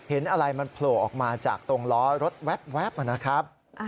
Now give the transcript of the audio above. เห็นอะไรมันโผล่ออกมาจากตรงล้อรถแว๊บนะครับ